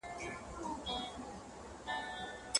هغې د خپلو عاداتو خلاف پرېکړه ونه کړه.